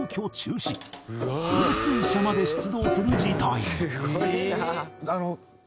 放水車まで出動する事態に。